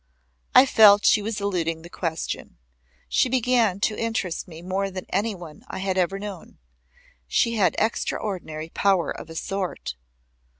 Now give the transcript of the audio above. I felt she was eluding the question. She began to interest me more than any one I had ever known. She had extraordinary power of a sort.